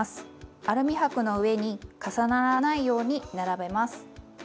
アルミ箔の上に重ならないように並べます。